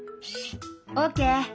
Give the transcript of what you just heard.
オーケー！